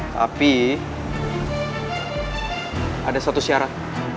tapi ada satu syarat